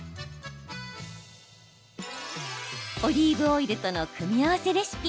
オリーブオイルとの組み合わせレシピ。